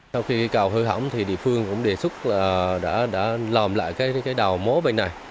sau khi cầu hư hỏng thì địa phương cũng đề xuất đã làm lại cái đào mố bên này